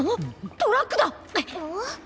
トラック？